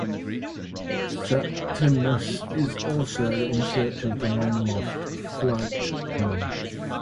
Septimus is also in search of the long lost "Flyte" charm.